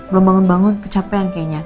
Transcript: belum bangun bangun kecapean kayaknya